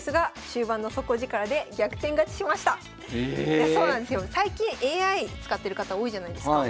いやそうなんですよ最近ＡＩ使ってる方多いじゃないですか。